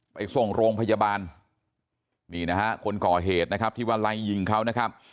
ไปส่งโรงพยาบาลนี่นะฮะคนก่อเหตุนะครับที่ว่าไล่ยิงเขานะครับ